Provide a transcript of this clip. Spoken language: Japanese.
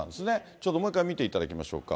ちょっともう一回見ていただきましょうか。